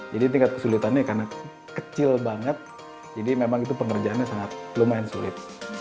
jadi tingkat kesulitannya karena kecil banget jadi memang itu pengerjaannya lumayan sulit